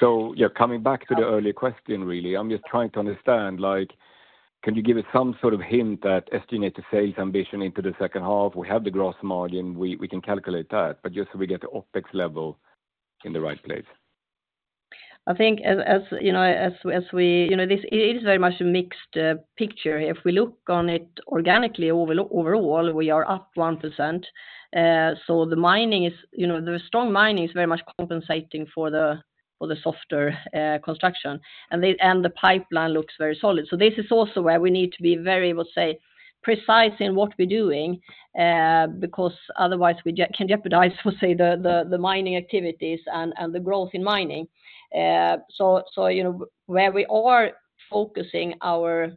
So yeah, coming back to the earlier question, really, I'm just trying to understand, like, can you give us some sort of hint that SG&A to sales ambition into the second half? We have the gross margin, we, we can calculate that, but just so we get the OpEx level in the right place. I think, you know, as we—you know, this is very much a mixed picture. If we look on it organically, overall, we are up 1%. So the mining is, you know, the strong mining is very much compensating for the softer construction, and the pipeline looks very solid. So this is also where we need to be very, we'll say, precise in what we're doing, because otherwise we can jeopardize, we'll say, the mining activities and the growth in mining. So, you know, where we are focusing our,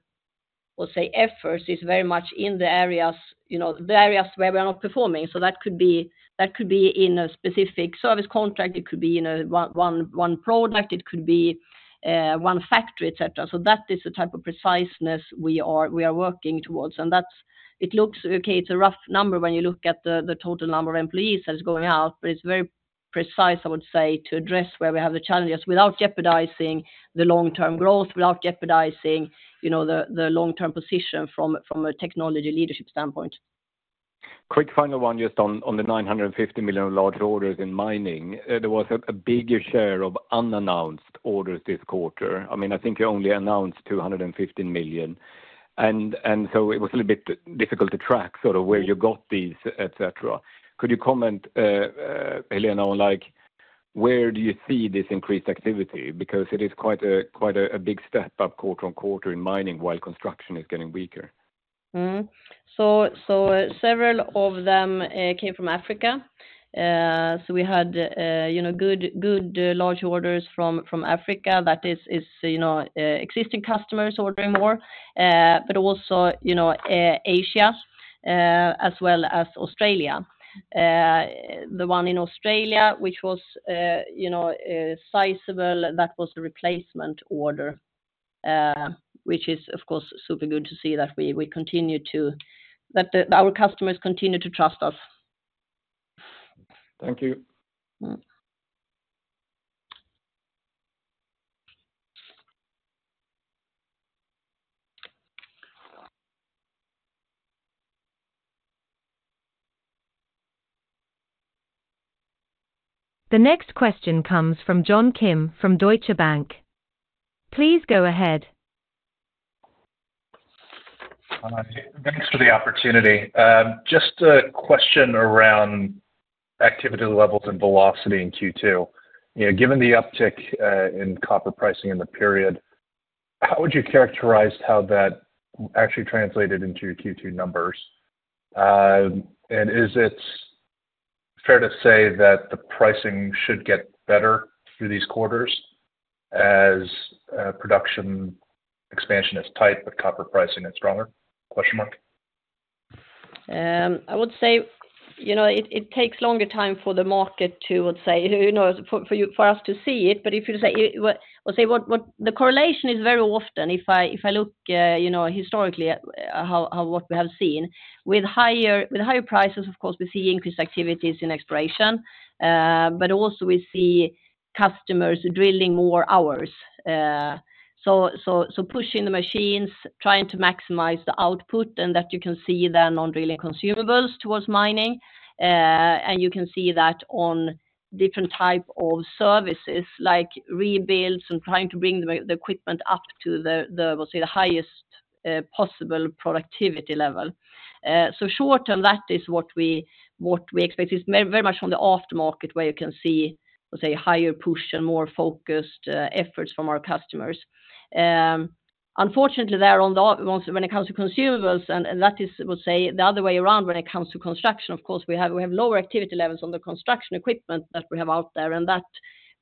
we'll say, efforts is very much in the areas, you know, the areas where we are not performing. So that could be, that could be in a specific service contract, it could be in one product, it could be one factory, et cetera. So that is the type of preciseness we are working towards. And that's. It looks okay, it's a rough number when you look at the total number of employees that is going out, but it's very precise, I would say, to address where we have the challenges without jeopardizing the long-term growth, without jeopardizing, you know, the long-term position from a technology leadership standpoint. Quick final one, just on the 950 million large orders in mining. There was a bigger share of unannounced orders this quarter. I mean, I think you only announced 215 million, and so it was a little bit difficult to track sort of where you got these, et cetera. Could you comment, Helena, on like, where do you see this increased activity? Because it is quite a big step up quarter-over-quarter in mining while construction is getting weaker. Mm-hmm. So, so several of them came from Africa. So we had, you know, good, good large orders from, from Africa. That is, you know, existing customers ordering more, but also, you know, Asia, as well as Australia. The one in Australia, which was, you know, sizable, that was a replacement order, which is, of course, super good to see that we, we continue to... That the, our customers continue to trust us. Thank you. The next question comes from John Kim from Deutsche Bank. Please go ahead. Thanks for the opportunity. Just a question around activity levels and velocity in Q2. You know, given the uptick in copper pricing in the period, how would you characterize how that actually translated into your Q2 numbers? And is it fair to say that the pricing should get better through these quarters as production expansion is tight, but copper pricing is stronger? I would say, you know, it takes longer time for the market to, we'll say, you know, for you, for us to see it. But if you say, well, say, what... The correlation is very often, if I look, you know, historically at, how, what we have seen, with higher prices, of course, we see increased activities in exploration, but also we see customers drilling more hours. So, pushing the machines, trying to maximize the output, and that you can see then on drilling consumables towards mining. And you can see that on different type of services, like rebuilds and trying to bring the equipment up to the, we'll say, the highest possible productivity level. So short term, that is what we expect is very much from the aftermarket, where you can see, let's say, higher push and more focused efforts from our customers. Unfortunately, there on the, on, when it comes to consumables, and that is, we'll say, the other way around when it comes to construction. Of course, we have lower activity levels on the construction equipment that we have out there, and that,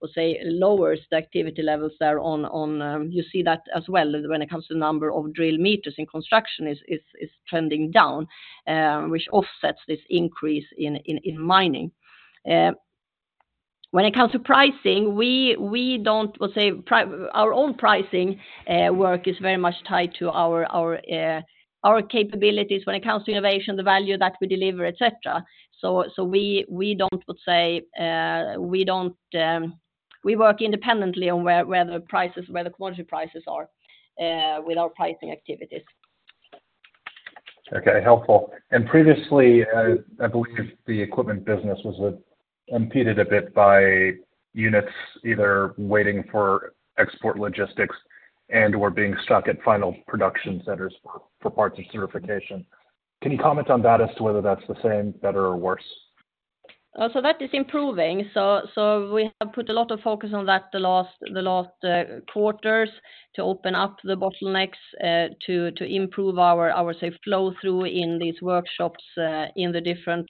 we'll say, lowers the activity levels there on, on you see that as well, when it comes to number of drill meters in construction is trending down, which offsets this increase in mining. When it comes to pricing, we don't, let's say, our own pricing work is very much tied to our capabilities when it comes to innovation, the value that we deliver, et cetera. So we don't, let's say, we work independently on where the prices, where the quantity prices are, with our pricing activities. Okay, helpful. And previously, I believe the equipment business was impeded a bit by units either waiting for export logistics and/or being stuck at final production centers for parts of certification. Can you comment on that as to whether that's the same, better, or worse? So that is improving. So we have put a lot of focus on that the last quarters, to open up the bottlenecks, to improve our, I would say, flow through in these workshops, in the different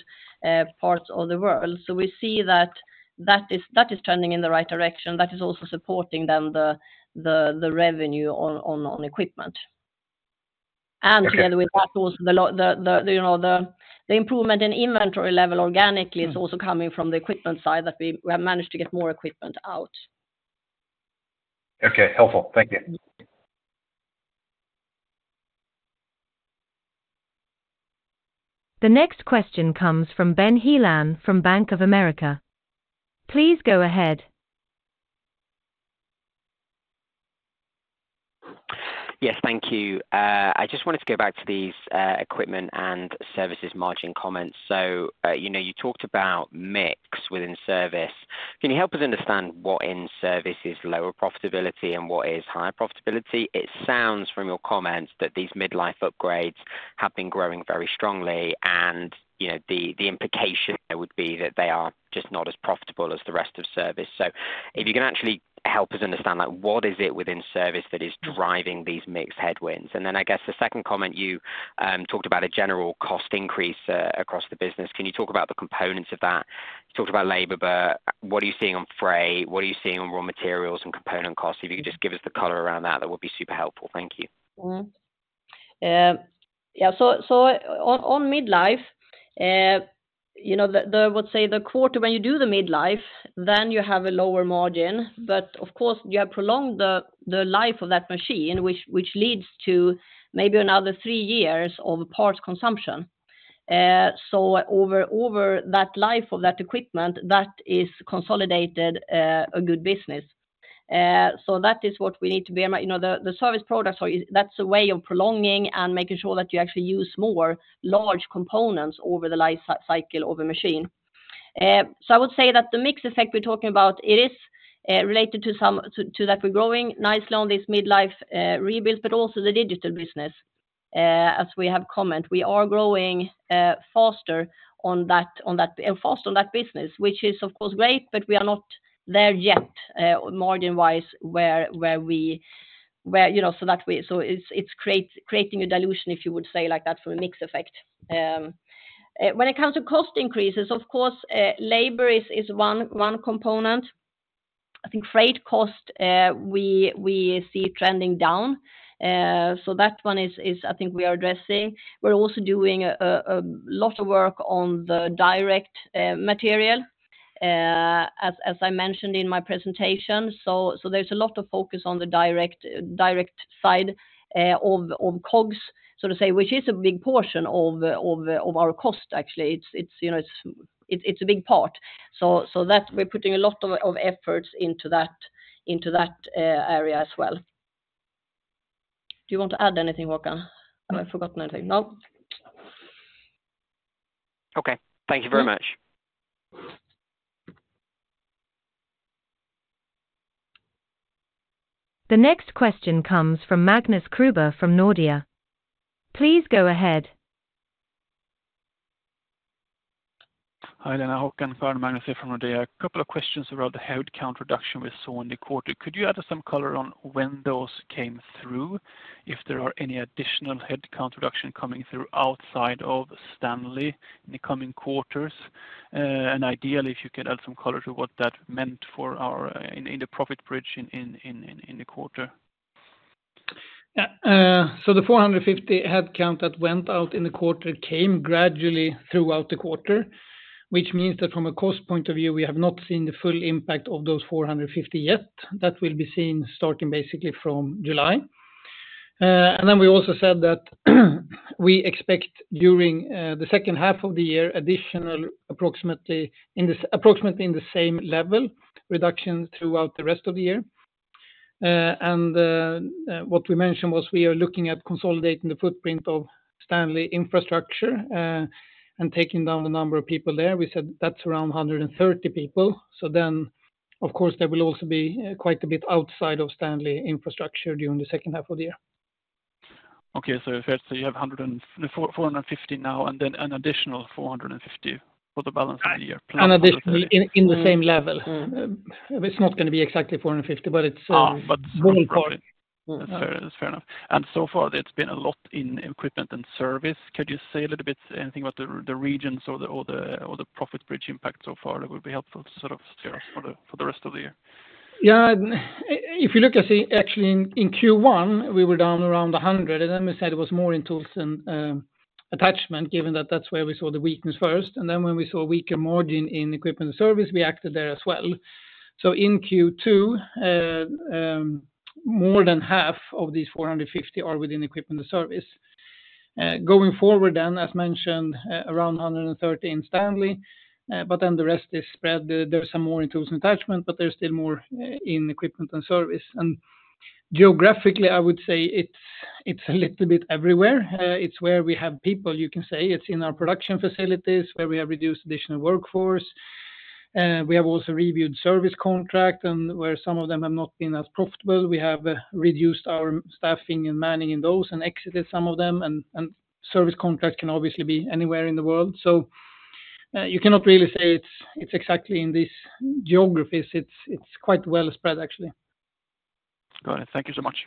parts of the world. So we see that that is turning in the right direction. That is also supporting then the revenue on equipment. Okay. Together with that also, you know, the improvement in inventory level organically is also coming from the equipment side, that we have managed to get more equipment out. Okay, helpful. Thank you. The next question comes from Ben Heelan from Bank of America. Please go ahead. Yes, thank you. I just wanted to go back to these Equipment & Services margin comments. So, you know, you talked about mix within service. Can you help us understand what in service is lower profitability and what is higher profitability? It sounds from your comments that these Midlife upgrades have been growing very strongly, and, you know, the implication there would be that they are just not as profitable as the rest of service. So if you can actually help us understand, like, what is it within service that is driving these mixed headwinds? And then I guess the second comment, you talked about a general cost increase across the business. Can you talk about the components of that? You talked about labor, but what are you seeing on freight? What are you seeing on raw materials and component costs? If you could just give us the color around that, that would be super helpful. Thank you. Mm-hmm. Yeah, so, so on, on Midlife, you know, the, the, I would say the quarter when you do the Midlife, then you have a lower margin, but of course, you have prolonged the, the life of that machine, which, which leads to maybe another three years of parts consumption. So over, over that life of that equipment, that is consolidated, a good business. So that is what we need to bear in mind. You know, the, the service products are, that's a way of prolonging and making sure that you actually use more large components over the life cycle of a machine. So I would say that the mix effect we're talking about, it is, related to some, to, to that we're growing nicely on this Midlife, rebuild, but also the digital business. As we have commented, we are growing faster on that business, which is of course great, but we are not there yet, margin-wise, where we, you know, so that we so it's creating a dilution, if you would say like that, for a mix effect. When it comes to cost increases, of course, labor is one component. I think freight cost we see trending down. So that one is. I think we are addressing. We're also doing a lot of work on the direct material, as I mentioned in my presentation. So there's a lot of focus on the direct side of COGS, so to say, which is a big portion of our cost, actually. It's, you know, it's a big part. So that's, we're putting a lot of efforts into that area as well. Do you want to add anything, Håkan? Have I forgotten anything? No. Okay. Thank you very much. The next question comes from Magnus Kruber from Nordea. Please go ahead. Hi, Helena, Håkan. Magnus here from Nordea. A couple of questions about the headcount reduction we saw in the quarter. Could you add some color on when those came through, if there are any additional headcount reduction coming through outside of Stanley in the coming quarters? And ideally, if you could add some color to what that meant for our, in the profit bridge, in the quarter. Yeah, so the 450 headcount that went out in the quarter came gradually throughout the quarter, which means that from a cost point of view, we have not seen the full impact of those 450 yet. That will be seen starting basically from July. And then we also said that we expect, during the second half of the year, additional, approximately in the same level, reduction throughout the rest of the year. What we mentioned was we are looking at consolidating the footprint of Stanley Infrastructure and taking down the number of people there. We said that's around 130 people, so then- ...Of course, there will also be quite a bit outside of Stanley Infrastructure during the second half of the year. Okay. So if I say you have 450 now, and then an additional 450 for the balance of the year? An additional in the same level. It's not gonna be exactly 450, but it's Ah, but- Very important. That's fair. That's fair enough. And so far, there's been a lot in Equipment & Service. Could you say a little bit anything about the regions or the profit bridge impact so far? That would be helpful to sort of hear for the rest of the year. Yeah. If you look at the... Actually, in Q1, we were down around 100, and then we said it was more in Tools than Attachment, given that that's where we saw the weakness first. And then when we saw weaker margin in equipment service, we acted there as well. So in Q2, more than half of these 450 are within equipment service. Going forward, then, as mentioned, around 130 in Stanley, but then the rest is spread. There are some more in Tools & Attachments, but there's still more in Equipment & Service. And geographically, I would say it's a little bit everywhere. It's where we have people, you can say. It's in our production facilities, where we have reduced additional workforce. We have also reviewed service contract, and where some of them have not been as profitable, we have reduced our staffing and manning in those and exited some of them, and service contracts can obviously be anywhere in the world. So, you cannot really say it's exactly in these geographies. It's quite well spread, actually. Got it. Thank you so much.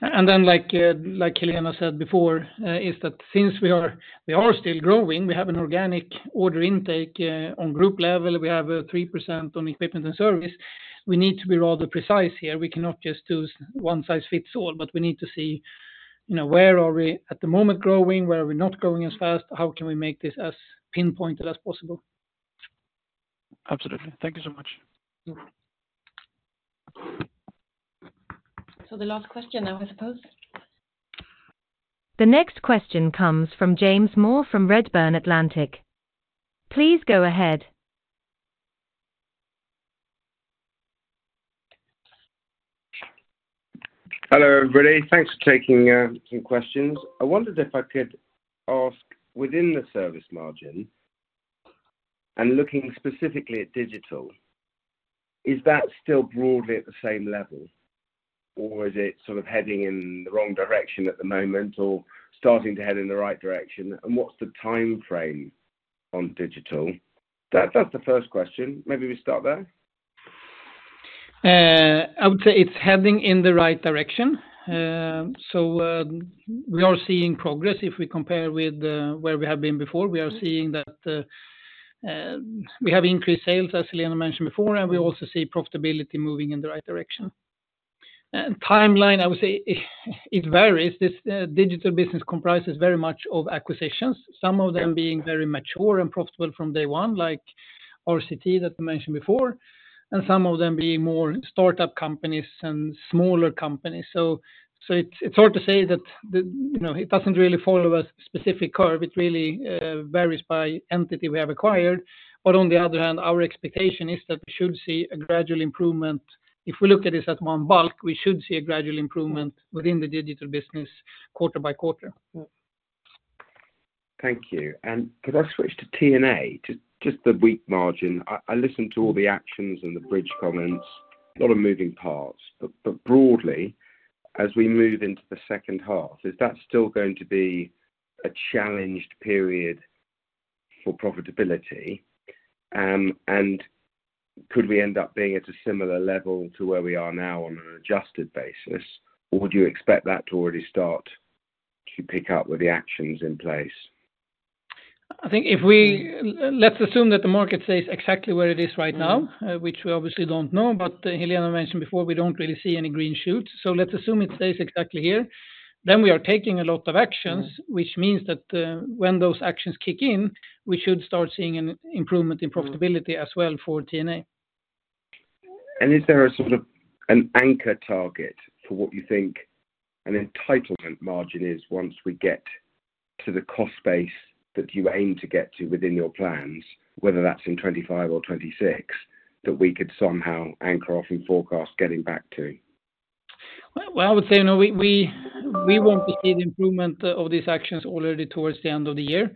And then, like, like Helena said before, is that since we are, we are still growing, we have an organic order intake on group level. We have 3% on Equipment & Service. We need to be rather precise here. We cannot just do one size fits all, but we need to see, you know, where are we at the moment growing? Where are we not growing as fast? How can we make this as pinpointed as possible? Absolutely. Thank you so much. So the last question now, I suppose. The next question comes from James Moore from Redburn Atlantic. Please go ahead. Hello, everybody. Thanks for taking some questions. I wondered if I could ask within the service margin, and looking specifically at digital, is that still broadly at the same level, or is it sort of heading in the wrong direction at the moment, or starting to head in the right direction? And what's the timeframe on digital? That, that's the first question. Maybe we start there. I would say it's heading in the right direction. So, we are seeing progress if we compare with where we have been before. We are seeing that we have increased sales, as Helena mentioned before, and we also see profitability moving in the right direction. And timeline, I would say, it varies. This digital business comprises very much of acquisitions, some of them being very mature and profitable from day one, like RCT, that I mentioned before, and some of them being more startup companies and smaller companies. So it's hard to say that the... You know, it doesn't really follow a specific curve. It really varies by entity we have acquired. But on the other hand, our expectation is that we should see a gradual improvement. If we look at this as a whole, we should see a gradual improvement within the digital business quarter by quarter. Thank you. Could I switch to T&A? To just the weak margin. I listened to all the actions and the bridge comments, a lot of moving parts. But broadly, as we move into the second half, is that still going to be a challenged period for profitability? And could we end up being at a similar level to where we are now on an adjusted basis, or would you expect that to already start to pick up with the actions in place? I think if let's assume that the market stays exactly where it is right now.... which we obviously don't know, but Helena mentioned before, we don't really see any green shoots. So let's assume it stays exactly here. Then we are taking a lot of actions-... which means that, when those actions kick in, we should start seeing an improvement in profitability.... as well for T&A. Is there a sort of an anchor target for what you think an entitlement margin is once we get to the cost base that you aim to get to within your plans, whether that's in 2025 or 2026, that we could somehow anchor off and forecast getting back to? Well, well, I would say, you know, we want to see the improvement of these actions already towards the end of the year.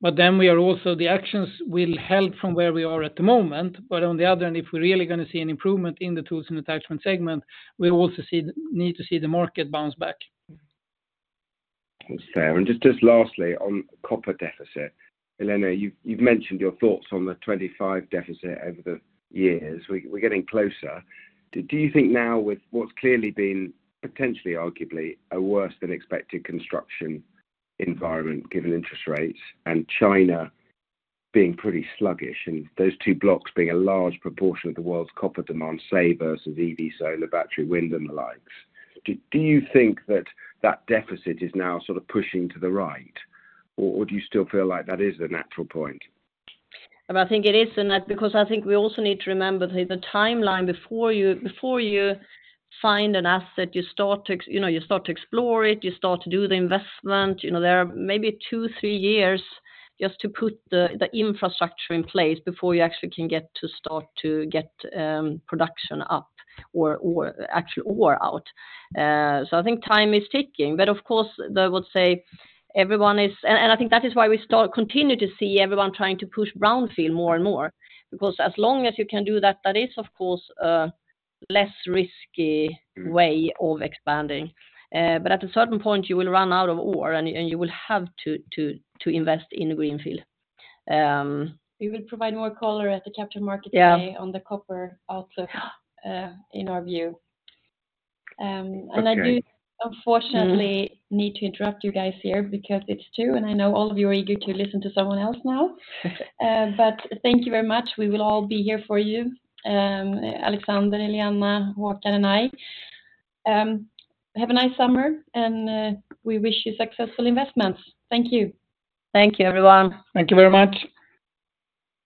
But then we are also, the actions will help from where we are at the moment, but on the other hand, if we're really gonna see an improvement in the Tools & Attachments segment, we also see the need to see the market bounce back. That's fair. And just lastly, on copper deficit. Helena, you've mentioned your thoughts on the 25 deficit over the years. We're getting closer. Do you think now with what's clearly been potentially, arguably, a worse-than-expected construction environment, given interest rates and China being pretty sluggish, and those two blocks being a large proportion of the world's copper demand, say, versus EV, solar, battery, wind, and the likes, that that deficit is now sort of pushing to the right, or do you still feel like that is the natural point? I think it is, and that because I think we also need to remember the timeline before you, before you find an asset, you start to, you know, explore it, you start to do the investment. You know, there are maybe 2 or 3 years just to put the infrastructure in place before you actually can get to start to get production up or actual ore out. So I think time is ticking. But of course, I would say everyone is... And I think that is why we continue to see everyone trying to push brownfield more and more. Because as long as you can do that, that is, of course, a less risky-... way of expanding. But at a certain point, you will run out of ore, and you will have to invest in greenfield. We will provide more color at the Capital Markets Day- Yeah... on the copper outlook, in our view. And I do- Okay... unfortunately, need to interrupt you guys here because it's 2, and I know all of you are eager to listen to someone else now. But thank you very much. We will all be here for you, Alexander, Helena, Håkan, and I. Have a nice summer, and we wish you successful investments. Thank you. Thank you, everyone. Thank you very much.